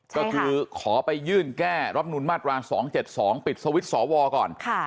ก็คือขอไปยื่นแก้รับนูลมาตรา๒๗๒ปิดสวิตช์สวก่อน